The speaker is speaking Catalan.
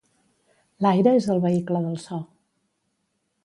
L'aire és el vehicle del so.